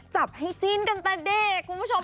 จับให้จิ้นกันแต่เด็กคุณผู้ชม